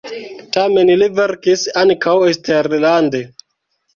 Tamen li verkis ankaŭ eksterlande.